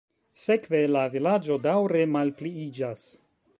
Sekve la vilaĝo daŭre malpliiĝas.